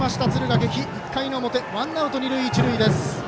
１回の表、ワンアウト、二塁一塁。